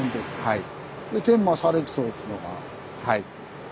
はい。